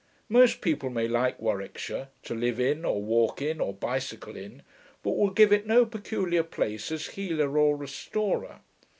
Most people may like Warwickshire, to live in or walk in or bicycle in, but will give it no peculiar place as healer or restorer.